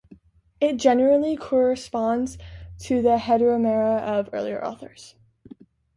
It generally corresponds to the Heteromera of earlier authors.